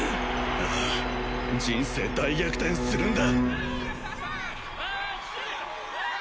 ああ人生大逆転するんだ！